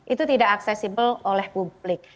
itu tidak aksesibel oleh publik